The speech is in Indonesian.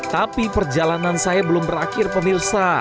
tapi perjalanan saya belum berakhir pemirsa